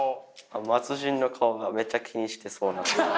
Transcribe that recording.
末人の顔がめっちゃ気にしてそうな。